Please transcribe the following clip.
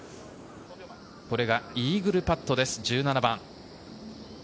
これがイーグルパットです、１７番。